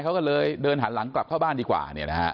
เขาก็เลยเดินหันหลังกลับเข้าบ้านดีกว่า